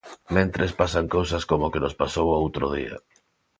Mentres pasan cousas como o que nos pasou o outro día.